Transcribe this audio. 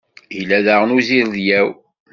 Yella daɣen uzirdyaw.